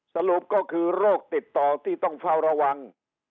สรุปก็คือโรคติดต่อที่ต้องเฝ้าระวัง